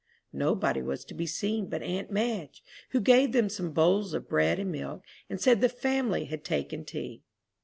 Nobody was to be seen but aunt Madge, who gave them some bowls of bread and milk, and said the family had taken tea.